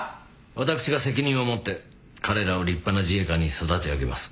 私が責任を持って彼らを立派な自衛官に育て上げます。